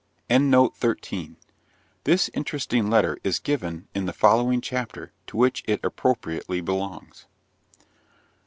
This interesting letter is given in the following Chapter, to which it appropriately belongs.